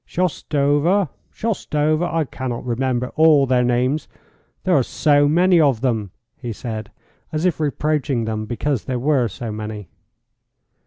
"Shoustova Shoustova? I cannot remember all their names, there are so many of them," he said, as if reproaching them because there were so many.